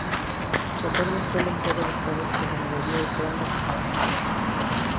Sus acuerdos suelen ser adoptados por mayoría y quedan reflejados en un Acta.